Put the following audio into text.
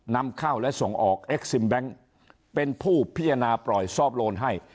นำเข้าและส่งออกเป็นผู้พิจารณาปล่อยซอบโลนให้